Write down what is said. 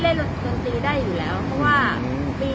เล่นลมลืมตีได้อยู่แล้วเพราะว่าอืมปี